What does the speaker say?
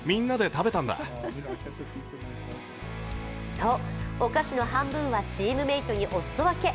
と、お菓子の半分はチームメートにおすそ分け。